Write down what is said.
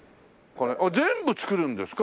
全部作るんですか？